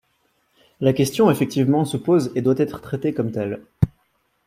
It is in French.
La question, effectivement, se pose et doit être traitée comme telle.